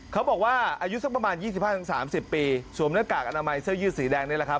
เขาบอกว่าอายุสักประมาณ๒๕๓๐ปีสวมหน้ากากอนามัยเสื้อยืดสีแดงนี่แหละครับ